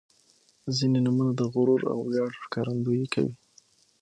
• ځینې نومونه د غرور او ویاړ ښکارندويي کوي.